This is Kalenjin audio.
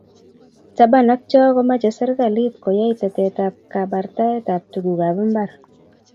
Taban ak Cho komachei serkalit koyai tetetab kabartaetabb tugukab mbar